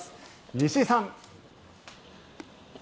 西井さん。